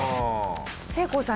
せいこうさん